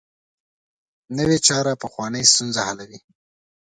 نوې چاره پخوانۍ ستونزه حلوي